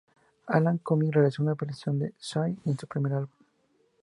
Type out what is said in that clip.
Alan Cumming realizó una versión de Shine en su primer álbum.